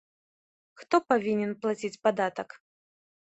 Хто павінен плаціць падатак?